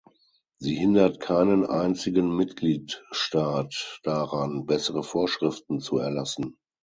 Sie hindert keinen einzigen Mitgliedstaat daran, bessere Vorschriften zu erlassen.